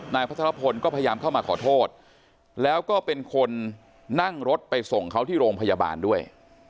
พัทรพลก็พยายามเข้ามาขอโทษแล้วก็เป็นคนนั่งรถไปส่งเขาที่โรงพยาบาลด้วย